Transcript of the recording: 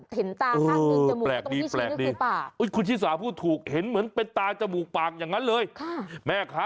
ถ้ามองมุมนี้ก็เหมือนหน้าคนอยู่แหละ